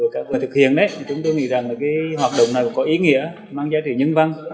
các người thực hiện chúng tôi nghĩ rằng hoạt động này có ý nghĩa mang giá trị nhân văn